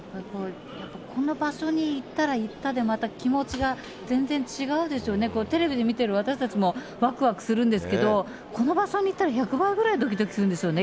この場所に行ったら行ったで、また気持ちが全然違うでしょうね、テレビで見てる私たちもわくわくするんですけど、この場所に行ったら１００倍ぐらいどきどきするんでしょうね、